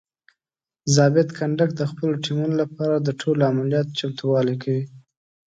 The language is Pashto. ضابط کنډک د خپلو ټیمونو لپاره د ټولو عملیاتو چمتووالی کوي.